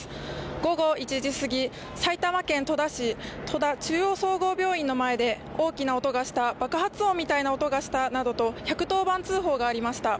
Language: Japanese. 午後１時すぎ、埼玉県戸田市戸田中央病院の前で大きな音がした、爆発音みたいな音がしたなどと１１０番通報がありました。